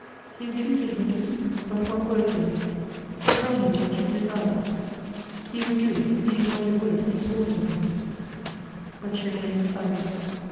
He entreated her to speak but one word to him ; to tell him what she desired. He would do it, be it what it would, he swore to her; but she remained silent.